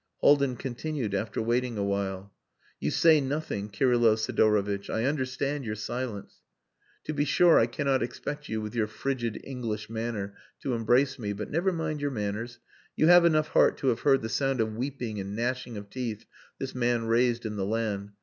Haldin continued after waiting a while "You say nothing, Kirylo Sidorovitch! I understand your silence. To be sure, I cannot expect you with your frigid English manner to embrace me. But never mind your manners. You have enough heart to have heard the sound of weeping and gnashing of teeth this man raised in the land.